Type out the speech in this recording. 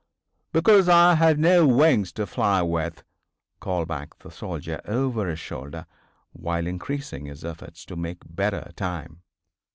"Because I have no wings to fly with," called back the soldier over his shoulder while increasing his efforts to make better time.